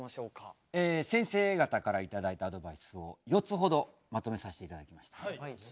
先生方から頂いたアドバイスを４つほどまとめさせて頂きました。